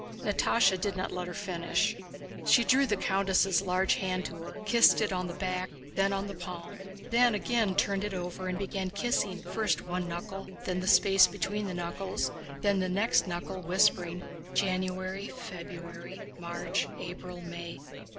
Natásha did not let her finish. She drew the countess' large hand to her, kissed it on the back and then on the palm, then again turned it over and began kissing first one knuckle, then the space between the knuckles, then the next knuckle, whispering, "January, February, March, April, May.